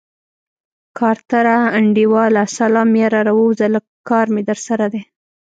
کارتره انډيواله سلام يره راووځه لږ کار مې درسره دی.